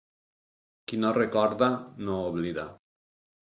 Qui no recorda, no oblida.